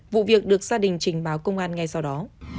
vụ việc được gia đình trình báo công an ngay sau đó